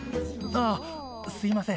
あすいません。